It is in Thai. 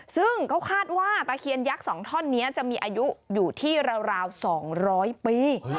ซึ่งเขาคาดว่าตะเคียนยักษ์๒ท่อนนี้จะมีอายุอยู่ที่ราว๒๐๐ปี